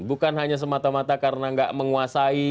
bukan hanya semata mata karena nggak menguasai